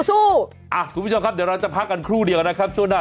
คุณผู้ชมครับเดี๋ยวเราจะพักกันครู่เดียวนะครับช่วงหน้า